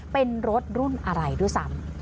เป็นรถรุ่นอะไรด้วยซ้ำ